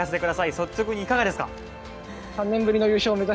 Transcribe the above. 率直にいかがですか？